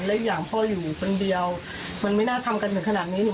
และอีกอย่างพ่ออยู่คนเดียวมันไม่น่าทำกันถึงขนาดนี้